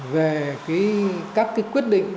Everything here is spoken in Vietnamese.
về các quyết định